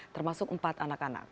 termasuk empat anak anak